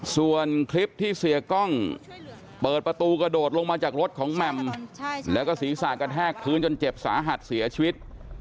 ส่วนคลิปที่เสียกล้องเปิดประตูกระโดดลงมาจากรถของแหม่มแล้วก็ศีรษะกระแทกพื้นจนเจ็บสาหัสเสียชีวิต